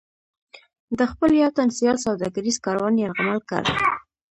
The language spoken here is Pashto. د خپل یو تن سیال سوداګریز کاروان یرغمل کړ.